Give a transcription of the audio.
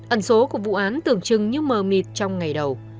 ẩn số của vụ án tưởng chừng như mờ mịt trong ngày đầu